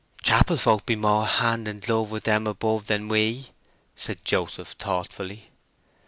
"Chapelfolk be more hand in glove with them above than we," said Joseph, thoughtfully.